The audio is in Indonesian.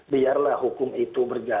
biarlah hukum itu berjalan